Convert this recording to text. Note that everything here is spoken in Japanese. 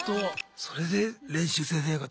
それで練習生生活